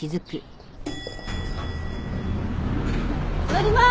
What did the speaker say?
乗ります！